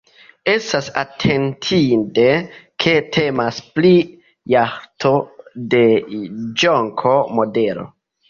Estas atentinde, ke temas pri jaĥto de Ĵonko-modelo.